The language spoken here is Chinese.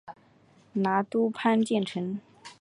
拿督潘健成